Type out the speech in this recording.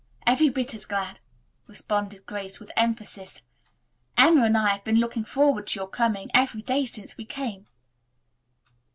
"Every bit as glad," responded Grace with emphasis. "Emma and I have been looking forward to your coming every day since we came."